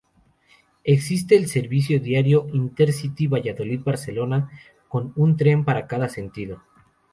Existe el servicio diario Intercity Valladolid-Barcelona con un tren para cada sentido.